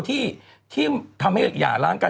ที่ทำให้หย่าล้างกัน